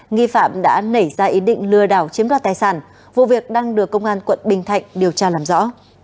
nghi phạm đã nảy ra ý định lừa đảo chiếm đoạt tài sản vụ việc đang được công an quận bình thạnh điều tra làm rõ